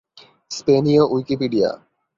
স্পেনীয় উইকিপিডিয়া